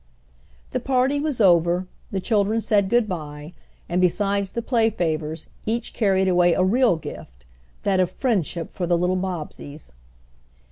The party was over, the children said good bye, and besides the play favors each carried away a real gift, that of friendship for the little Bobbseys.